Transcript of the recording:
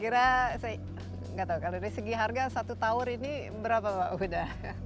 kira kira saya gak tau kalau dari segi harga satu tower ini berapa pak uda